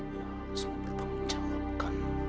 dia harus menjawabkan